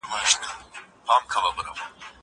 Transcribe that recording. زه به اوږده موده درسونه ولولم!!